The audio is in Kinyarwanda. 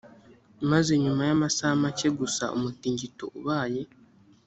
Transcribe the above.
maze nyuma y amasaha make gusa umutingito ubaye